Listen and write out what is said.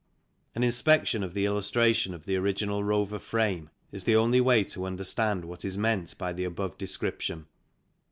An inspection of the illustration of the original Rover frame is the only way to understand what is meant by the above description.